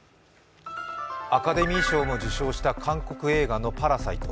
アカデミー賞も受賞した韓国映画の「パラサイト」。